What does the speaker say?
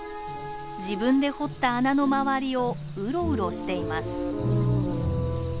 自分で掘った穴の周りをうろうろしています。